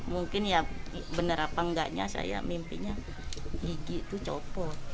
mungkin ya benar apa enggaknya saya mimpinya gigi itu copot